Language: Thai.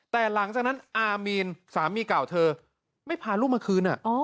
แต่หลังจากนั้นอามีนสามีเก่าเธอไม่พาลูกมาคืน